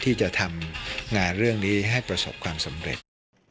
ที่จะทำงานเรื่องนี้ให้ประสบความสำเร็จ